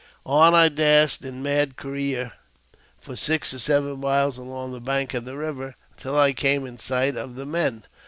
On I dashed, in mad career, for six or seven miles along the bank of the river, until I came in sight of the men.